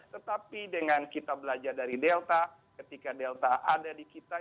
tetapi dengan kita belajar dari delta ketika delta ada di kita